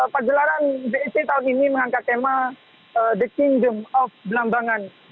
pagelaran bet tahun ini mengangkat tema the kingdom of belambangan